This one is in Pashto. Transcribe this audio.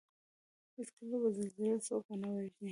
هېڅکله به زلزله څوک ونه وژني